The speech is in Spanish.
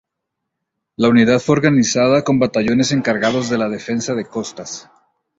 La unidad fue organizada con batallones encargados de la Defensa de Costas.